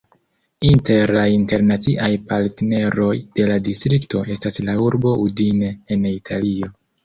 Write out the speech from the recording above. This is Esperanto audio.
Inter la internaciaj partneroj de la distrikto estas la urbo Udine en Italio.